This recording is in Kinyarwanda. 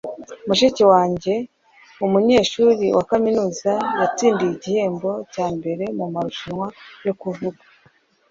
mushiki wanjye, umunyeshuri wa kaminuza, yatsindiye igihembo cya mbere mumarushanwa yo kuvuga